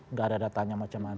nggak ada datanya macam macam